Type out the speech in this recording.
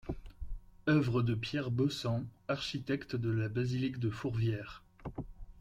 Œuvre de Pierre Bossan, architecte de la basilique de Fourvière.